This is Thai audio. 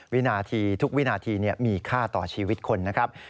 วินาทีทุกวินาทีมีค่าต่อชีวิตคนนะครับ